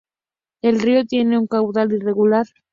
El río tiene un caudal irregular.